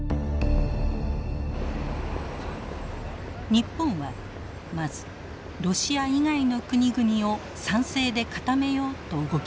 日本はまずロシア以外の国々を賛成で固めようと動き出しました。